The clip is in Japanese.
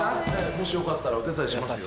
もしよかったらお手伝いしますよ。